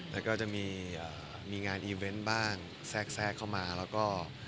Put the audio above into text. แล้วก็จะมีเอ่อมีงานบ้างแซกแซกเข้ามาแล้วก็